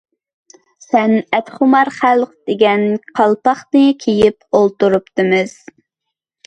«سەنئەتخۇمار خەلق» دېگەن «قالپاقنى» كىيىپ ئولتۇرۇپتىمىز.